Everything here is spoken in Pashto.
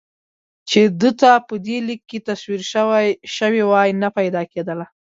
چې ده ته په دې لیک کې تصویر شوې وای نه پیدا کېدله.